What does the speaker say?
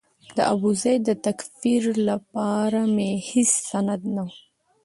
د ابوزید د تکفیر لپاره مې هېڅ سند نه و.